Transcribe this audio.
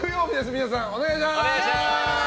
皆さん、お願いします。